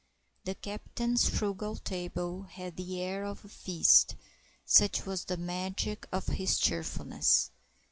The Captain's frugal table had the air of a feast, such was the magic of his cheerfulness.